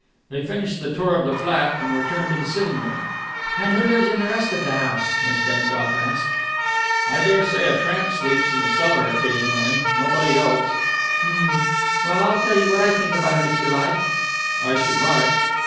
They finished the tour of the flat, and returned to the sitting room. "And who lives in the rest of the house?" Miss Bengough asked. "I dare say a tramp sleeps in the cellar occasionally. Nobody else." "Hm!... Well, I'll tell you what I think about it, if you like." "I should like."